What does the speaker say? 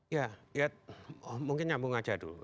ya ya mungkin nyambung aja dulu